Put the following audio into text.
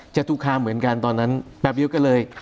จตุคามเหมือนกันตอนนั้นแป๊บเดียวก็เลย